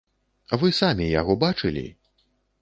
Вы самі яго бачылі?